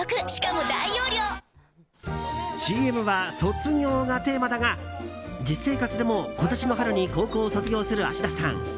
ＣＭは卒業がテーマだが実生活でも今年の春に高校を卒業する芦田さん。